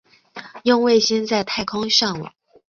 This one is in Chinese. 用卫星在太空上网